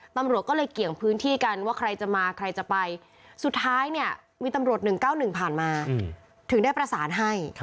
ตำรวจก็เลยเกี่ยงพื้นที่กันว่าใครจะมาใครจะไปสุดท้ายเนี่ยมีตำรวจ๑๙๑ผ่านมาถึงได้ประสานให้